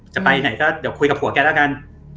จะไปไหนก็เดี๋ยวคุยกับผัวแกแล้วกัน